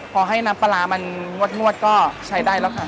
พอให้น้ำปลาร้ามันงวดก็ใช้ได้แล้วค่ะ